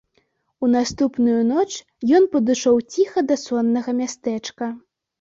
У наступную ноч ён падышоў ціха да соннага мястэчка.